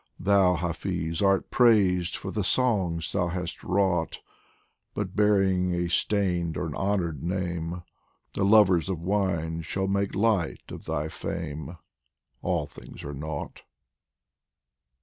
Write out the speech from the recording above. Thou, Hafiz, art praised for the songs thou hast wrought, But bearing a stained or an honoured name, The lovers of wine shall make light of thy fame All things are nought